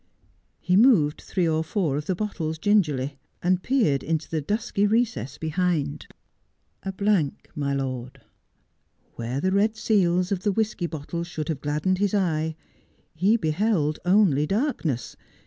He moved three or four of the bottles gingerly, and peered into the dusky recess behind. ' A blank, my lord.' Where the red seals of the whisky bottles should have gladdened his eye, he beheld only darkness.